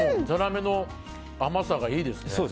ざらめの甘さがいいですね。